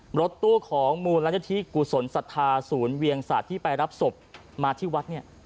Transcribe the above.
รถตู้ของมูลนิธิกุศลศรัทธาศูนย์เวียงศาสตร์ที่ไปรับศพมาที่วัดเนี่ย